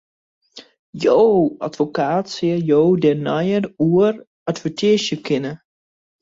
Jo advokaat sil jo dêr neier oer advisearje kinne.